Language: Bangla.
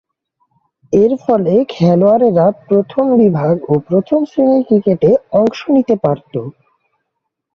এরফলে, খেলোয়াড়েরা প্রথম বিভাগ ও প্রথম-শ্রেণীর ক্রিকেটে অংশ নিতে পারতো।